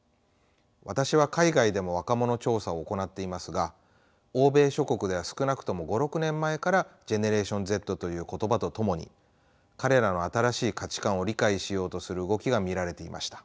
私は海外でも若者調査を行っていますが欧米諸国では少なくとも５６年前からＧｅｎｅｒａｔｉｏｎＺという言葉とともに彼らの新しい価値観を理解しようとする動きが見られていました。